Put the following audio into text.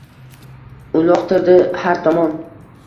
Uloqtirdi har tomon.